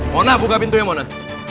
mona buka pintunya mona